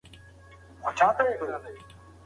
که کورنۍ ارامه فضا برابره کړي، تمرکز له منځه نه ځي.